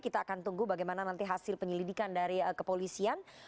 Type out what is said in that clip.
kita akan tunggu bagaimana nanti hasil penyelidikan dari kepolisian